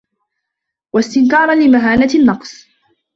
وَاسْتِنْكَارًا لِمَهَانَةِ النَّقْصِ